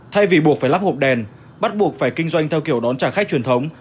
thay vì buộc phải lắp hộp đèn bắt buộc phải kinh doanh theo kiểu đón trả khách truyền thống